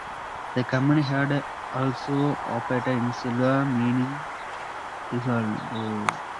The company had also operated in silver mining in Idaho.